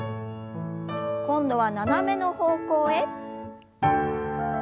今度は斜めの方向へ。